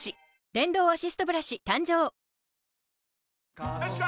電動アシストブラシ誕生よしこい！